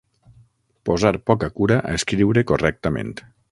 Posar poca cura a escriure correctament.